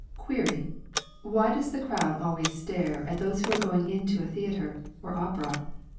Query? Why does the crowd always stare at those who are going into a theatre or opera?